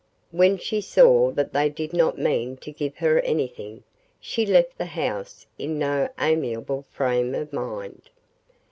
When she saw that they did not mean to give her anything, she left the house in no amiable frame of mind.